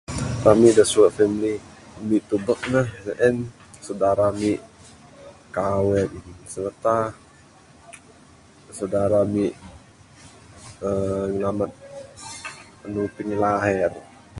Rami da suwe family ami tubek neh en saudara ami kawen serta saudara ami uhh ngamat anu pinglahir.